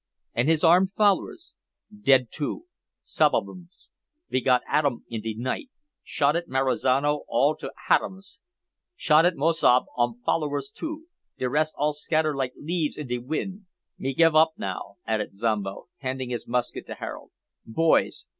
"And his armed followers?" "Dead, too some ob ums. Ve got at um in de night. Shotted Marizano all to hatoms. Shotted mos' ob um follerers too. De res' all scatter like leaves in de wind. Me giv' up now," added Zombo, handing his musket to Harold. "Boys!